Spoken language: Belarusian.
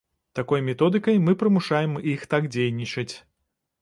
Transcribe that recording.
Такой методыкай мы прымушаем іх так дзейнічаць.